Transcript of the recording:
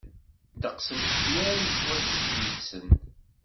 Ddeqs n tefyar i yettwaskelsen.